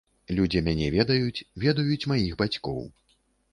Людзі мяне ведаюць, ведаюць маіх бацькоў.